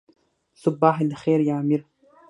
صباح الخیر یا امیر.